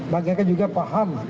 mereka juga paham